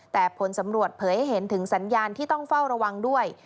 แต่ผลสำรวจเผยให้เห็นถึงสัญญาณที่ต้องเฝ้าระวังด้วย